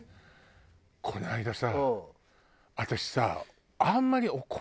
この間さ私さ